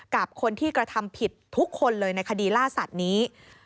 กับคนที่กระทำผิดทุกคนเลยในคดีล่าสัตว์นี้